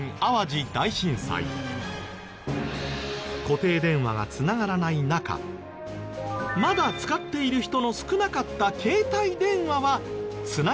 固定電話が繋がらない中まだ使っている人の少なかった携帯電話は繋がった。